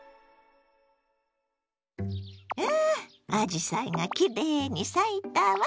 わああじさいがきれいに咲いたわ。